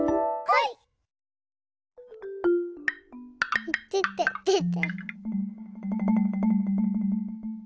いてててて。